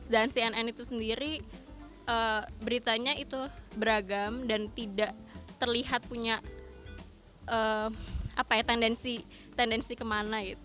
dan cnn itu sendiri beritanya itu beragam dan tidak terlihat punya tendensi kemana